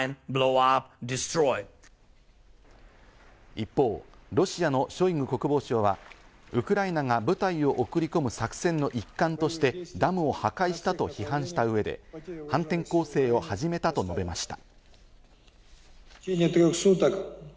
一方、ロシアのショイグ国防相は、ウクライナが部隊を送り込む作戦の一環としてダムを破壊したと批判した上で、反転攻勢を始めたと述べました。